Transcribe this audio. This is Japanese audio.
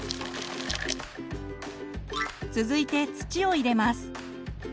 続いて土を入れます。